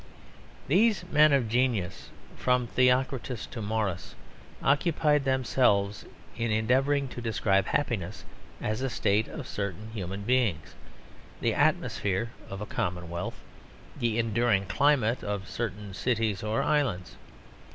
These men of genius, from Theocritus to Morris, occupied themselves in endeavouring to describe happiness as a state of certain human beings, the atmosphere of a commonwealth, the enduring climate of certain cities or islands.